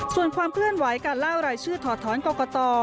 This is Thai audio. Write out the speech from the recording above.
ส่วนความเคลื่อนไหวการเล่ารายชื่อถอดท้อนกรกต